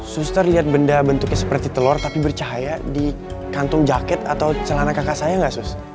suster lihat benda bentuknya seperti telur tapi bercahaya di kantung jaket atau celana kakak saya nggak suster